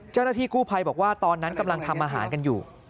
เจ้าหน้าที่กู้ภัยบอกว่าตอนนั้นกำลังทำอาหารกันอยู่